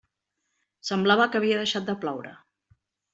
Semblava que havia deixat de ploure.